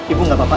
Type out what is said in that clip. ibu gak apa apa